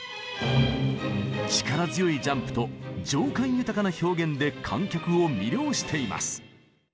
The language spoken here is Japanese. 力強いジャンプと情感豊かな表現で観客を魅了しています。